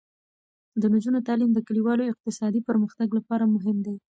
د نجونو تعلیم د کلیوالو اقتصادي پرمختګ لپاره مهم دی.